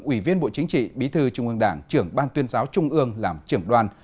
ủy viên bộ chính trị bí thư trung ương đảng trưởng ban tuyên giáo trung ương làm trưởng đoàn